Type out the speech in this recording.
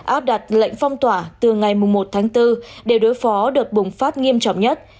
áp đặt lệnh phong tỏa từ ngày một tháng bốn để đối phó đợt bùng phát nghiêm trọng nhất